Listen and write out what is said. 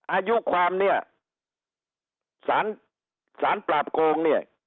อายุความเนี่ยสารปราบโกงเนี่ย